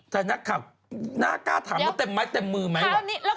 แต่นักข่าวน่ากล้าถามว่าเต็มไม้เต็มมือไหม